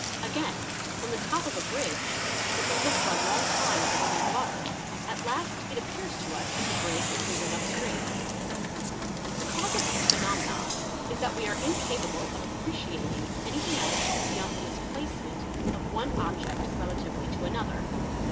Again from the top of a bridge, if we look for a long time at the running water, — at last it appears to us that the bridge is moving up stream. | The cause of these phenomena is, that we are incapable of appre — ciating anything else beyond the displacement of one object relatively to another.